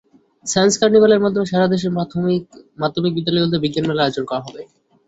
Science কার্নিভালের মাধ্যমে সারা দেশের মাধ্যমিক বিদ্যালয়গুলোতে বিজ্ঞান মেলার আয়োজন করা হবে।